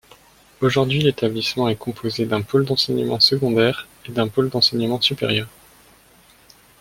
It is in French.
Aujourd'hui, l'établissement est composé d'un pôle d'enseignement secondaire et d'un pôle d'enseignement supérieur.